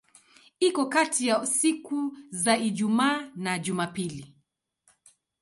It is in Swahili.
Iko kati ya siku za Ijumaa na Jumapili.